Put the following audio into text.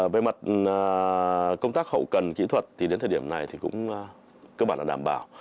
về mặt công tác hậu cần kỹ thuật thì đến thời điểm này thì cũng cơ bản là đảm bảo